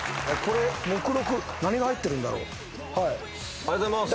ありがとうございます。